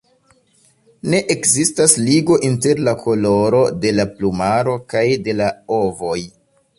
Ne ekzistas ligo inter la koloro de la plumaro kaj de la ovoj.